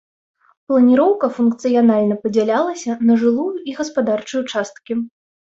Планіроўка функцыянальна падзялялася па жылую і гаспадарчую часткі.